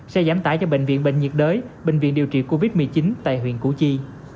sẽ giảm tải cho bệnh viện bệnh nhiệt đới bệnh viện điều trị covid một mươi chín tại huyện củ chi